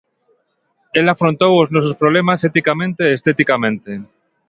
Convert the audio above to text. El afrontou os nosos problemas eticamente e esteticamente.